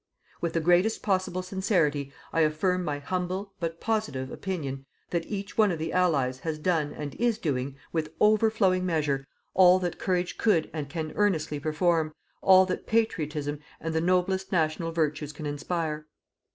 With the greatest possible sincerity, I affirm my humble, but positive, opinion that each one of the Allies has done and is doing, with overflowing measure, all that courage could and can earnestly perform, all that patriotism and the noblest national virtues can inspire.